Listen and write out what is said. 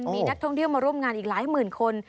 มีนักท่องเที่ยวมาร่วมงานอีกหลายหมื่นคน